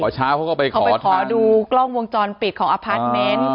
ใช่เขาไปขอดูกล้องวงจรปิดของอพาร์ทเมนต์